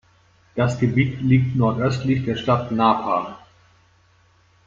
Das Gebiet liegt nordöstlich der Stadt Napa.